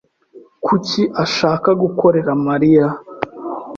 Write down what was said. Kuki ashaka gukorera Mariya?